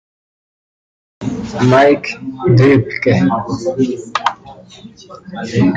Mike Dubke